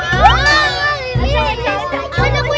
eh tapi gue yang menang